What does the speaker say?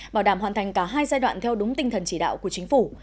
bảo đảm hoàn thành cả hai giai đoạn theo đúng tinh thần chỉ đạo của chính phủ